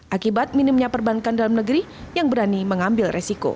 akibat minimnya perbankan dalam negeri yang berani mengambil resiko